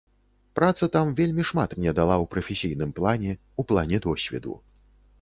Праца там вельмі шмат мне дала ў прафесійным плане, у плане досведу.